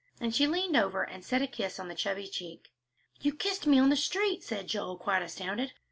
And she leaned over and set a kiss on the chubby cheek. "You kissed me on the street!" said Joel, quite astounded.